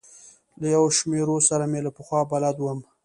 له یو شمېرو سره مې له پخوا بلد وم.